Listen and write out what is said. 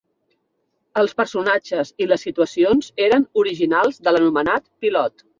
Els personatges i les situacions eren originals de l'anomenat pilot.